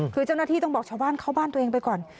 คือเจ้าหน้าที่ต้องบอกชาวบ้านเข้าบ้านตัวเองไปก่อน